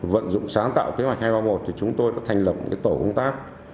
vận dụng sáng tạo kế hoạch hai trăm ba mươi một thì chúng tôi đã thành lập tổ công tác